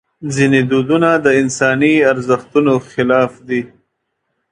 ځینې دودونه د انساني ارزښتونو خلاف دي.